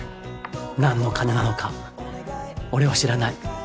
何の金なのか俺は知らない